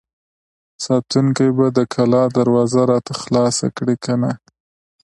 ساتونکي به د کلا دروازه راته خلاصه کړي که نه!